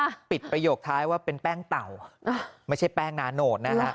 ปิดประโยคท้ายว่าเป็นแป้งเต่าไม่ใช่แป้งนาโนดนะฮะ